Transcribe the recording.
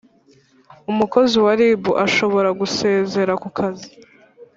umukozi wa rib ashobora gusezera ku kazi